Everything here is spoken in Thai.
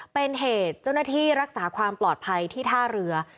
เป็นเหตุเจ้าหน้าที่รักษาความปลอดภัยที่ท่าเรือ